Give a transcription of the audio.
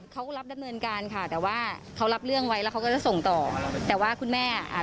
ก็เดี๋ยวต้องไปยื่นสปสชก่อนแล้วก็ประสานกับทางตำรวจ